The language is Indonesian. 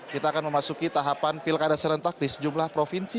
kita akan memasuki tahapan pilkada serentak di sejumlah provinsi